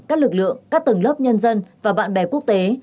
các lực lượng các tầng lớp nhân dân và bạn bè quốc tế